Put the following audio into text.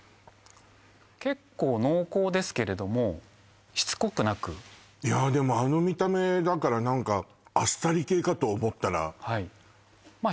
結構濃厚ですけれどもしつこくなくいやあでもあの見た目だから何かあっさり系かと思ったらはいまあ